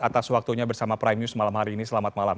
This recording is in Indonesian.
atas waktunya bersama prime news malam hari ini selamat malam